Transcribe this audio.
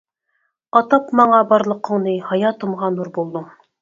ئاتاپ ماڭا بارلىقىڭنى، ھاياتىمغا نۇر بولدۇڭ.